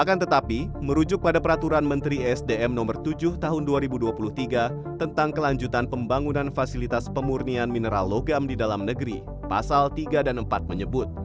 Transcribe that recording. akan tetapi merujuk pada peraturan menteri sdm no tujuh tahun dua ribu dua puluh tiga tentang kelanjutan pembangunan fasilitas pemurnian mineral logam di dalam negeri pasal tiga dan empat menyebut